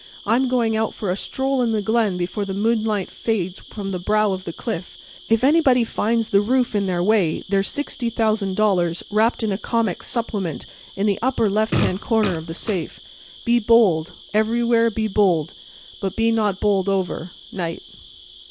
I'm going out for a stroll in the glen before the moonlight fades from the brow of the cliff. If anybody finds the roof in their way there's $60,000 wrapped in a comic supplement in the upper left hand corner of the safe. Be bold; everywhere be bold, but be not bowled over. 'Night."